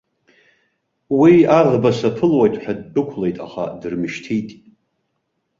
Уи аӷба саԥылоит ҳәа ддәықәлеит, аха дырмышьҭит.